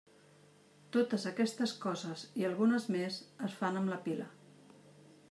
Totes aquestes coses, i algunes més, es fan amb la pila.